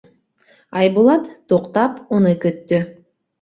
Айбулат, туҡтап, уны көттө: